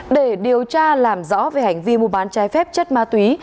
để điều tra làm rõ về hành vi mua bán trái phép chất ma túy